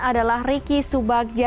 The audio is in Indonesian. yang diadakan oleh ricky subagjaya